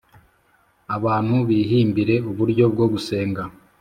Abantu bihimbire uburyo bwo gusenga.